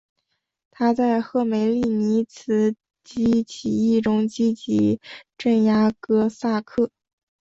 他在赫梅利尼茨基起义中积极镇压哥萨克。